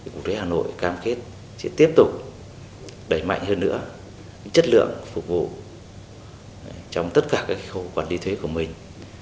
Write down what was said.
cục thuế hà nội cam kết sẽ tiếp tục đẩy mạnh hơn nữa chất lượng phục vụ trong tất cả các khâu quản lý thuế của mình